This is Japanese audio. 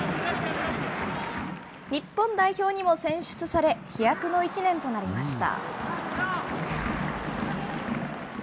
日本代表にも選出され、飛躍の一年となりました。